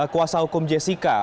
kuasa hukum jessica